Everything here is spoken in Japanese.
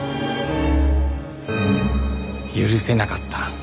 許せなかった。